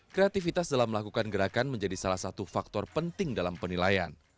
kreativitas dalam melakukan gerakan menjadi salah satu faktor penting dalam penilaian